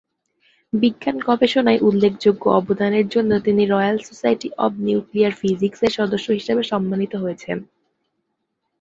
বিজ্ঞানগবেষণায় উল্লেখযোগ্য অবদানের জন্য তিনি 'royal society of nuclear physics' এর সদস্য হিসাবে সম্মানিত হয়েছেন।